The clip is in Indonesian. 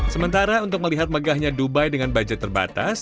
sementara untuk melihat megahnya dubai dengan budget terbatas